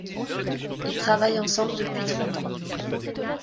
Ils travaillent ensemble depuis trente ans.